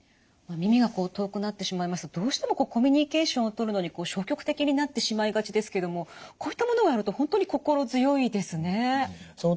耳が遠くなってしまいますとどうしてもコミュニケーションをとるのに消極的になってしまいがちですけどもこういったものがあると本当に心強いですね。